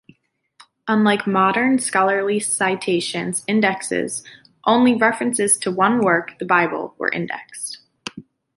Unlike modern scholarly citation indexes, only references to one work, the Bible, were indexed.